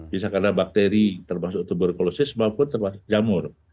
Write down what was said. bisa karena bakteri termasuk tuberkulosis maupun termasuk jamur